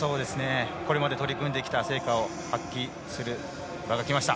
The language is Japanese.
これまで取り組んできた成果を発揮する場がきました。